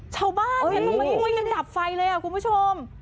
ชาวบ้านเห็นไหมที่งูยังดับไฟเลยคุณผู้ชม